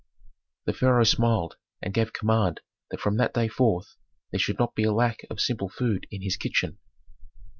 The pharaoh smiled and gave command that from that day forth there should not be a lack of simple food in his kitchen.